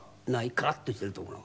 カラッとしているところが。